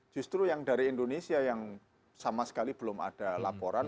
justru yang dari indonesia yang sama sekali belum ada laporan